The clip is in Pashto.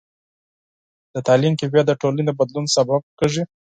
د تعلیم کیفیت د ټولنې د بدلون سبب کېږي.